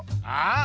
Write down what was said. あ？